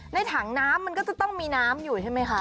ถังน้ำมันก็จะต้องมีน้ำอยู่ใช่ไหมคะ